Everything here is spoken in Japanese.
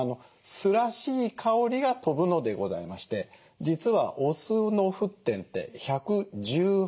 酢らしい香りが飛ぶのでございまして実はお酢の沸点って１１８度でございます。